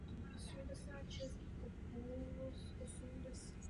Po svém dokončení patřila tato nádrž k největším na světě.